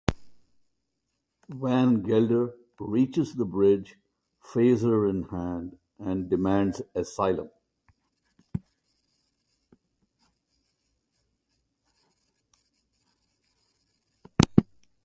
Van Gelder reaches the bridge, phaser in hand, and demands asylum.